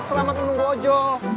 selamat menunggu ojo